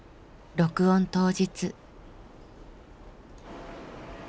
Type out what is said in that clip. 録音当日。